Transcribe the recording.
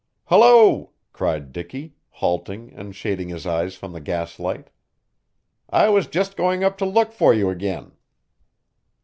"Hullo!" cried Dicky, halting and shading his eyes from the gaslight. "I was just going up to look for you again."